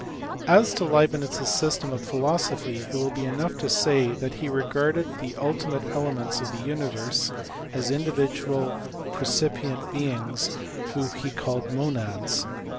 As to Leibnitz s system of philosophy it will be enough to say that he regarded the ultimate elements of the universe as individual percipient beings whom he called monads.